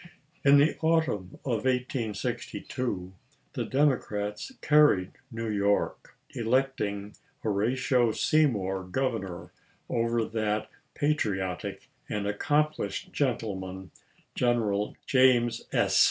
In the autumn of 1862 the Democrats carried New York, electing Horatio Seymour governor over that patriotic and accomplished gentleman, General James S.